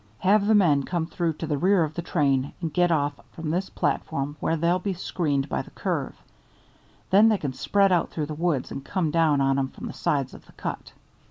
Have the men come through to the rear of the train and get off from this platform where they'll be screened by the curve. Then they can spread out through the woods and come down on 'em from the sides of the cut."